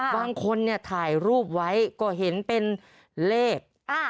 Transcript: บางคนเนี่ยถ่ายรูปไว้ก็เห็นเป็นเลข